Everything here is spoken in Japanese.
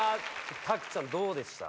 滝ちゃんどうでした？